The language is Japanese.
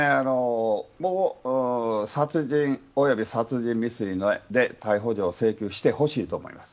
殺人及び殺人未遂で逮捕状を請求してほしいと思います。